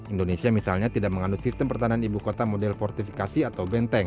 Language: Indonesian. indonesia misalnya tidak mengandung sistem pertahanan ibu kota model fortifikasi atau benteng